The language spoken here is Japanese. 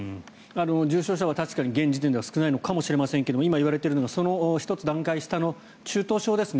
重症者は現時点では確かに少ないかもしれませんが今いわれているのが１つ段階下の中等症ですね。